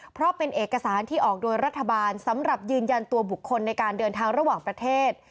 เพราะเป็นเอกสารที่ออกโดยรัฐบาลสำหรับยืนยันตัวบุคคลในการเดินทางระหว่างประเทศ